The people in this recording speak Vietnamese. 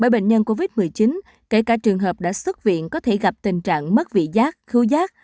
bệnh nhân covid một mươi chín kể cả trường hợp đã xuất viện có thể gặp tình trạng mất vị giác khư giác